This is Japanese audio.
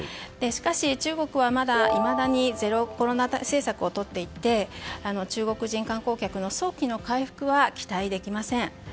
しかし中国は、いまだにゼロコロナ政策をとっていて中国人観光客の早期の回復は期待できません。